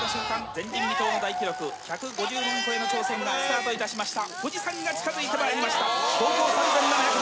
前人未到の大記録１５０万個への挑戦がスタートいたしました」